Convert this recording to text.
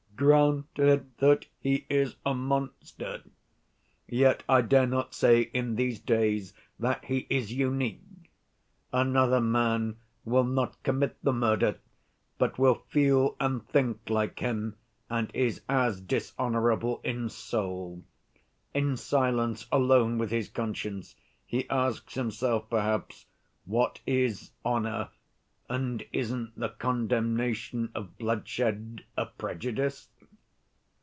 Granted that he is a monster, yet I dare not say in these days that he is unique. Another man will not commit the murder, but will feel and think like him, and is as dishonorable in soul. In silence, alone with his conscience, he asks himself perhaps, 'What is honor, and isn't the condemnation of bloodshed a prejudice?